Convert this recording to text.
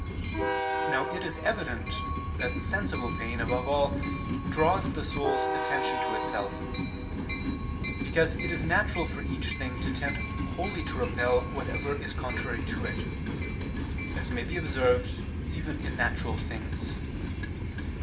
Now it is evident that sensible pain above all draws the soul's attention to itself; because it is natural for each thing to tend wholly to repel whatever is contrary to it, as may be observed even in natural things.